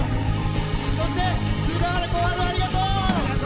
そして菅原小春ありがとう！